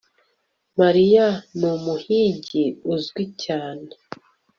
Mariya numuhigi uzwi cyane